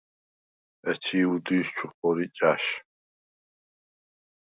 ეჩი̄ უდილს ჩუ ხორი ჭა̈შ.